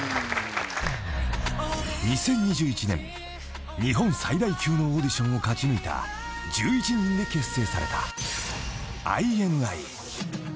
［２０２１年日本最大級のオーディションを勝ち抜いた１１人で結成された］